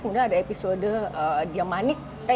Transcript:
kemudian ada episode dia manik